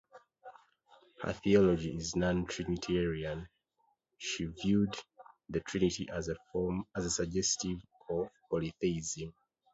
Her theology is nontrinitarian; she viewed the Trinity as suggestive of polytheism.